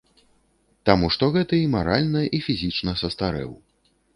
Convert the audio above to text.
Таму што гэты і маральна, і фізічна састарэў.